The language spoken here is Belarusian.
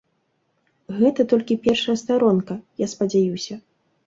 Гэта толькі першая старонка, я спадзяюся.